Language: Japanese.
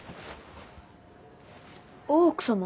大奥様？